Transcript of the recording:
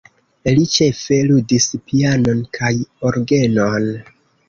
Li ĉefe ludis pianon kaj orgenon.